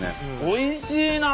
おいしいな！